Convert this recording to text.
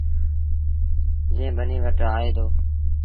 جيٚن ٻنيٚ وٽ آئي ديٚ ۔